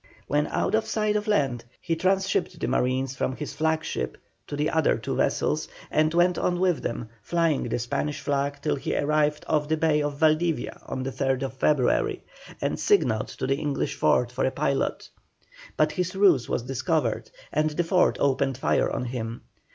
When out of sight of land he transhipped the marines from his flag ship to the other two vessels, and went on with them, flying the Spanish flag till he arrived off the bay of Valdivia on the 3rd February, and signalled to the English fort for a pilot. But his ruse was discovered and the fort opened fire on him.